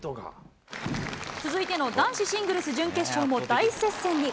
続いての男子シングルス準決勝も、大接戦に。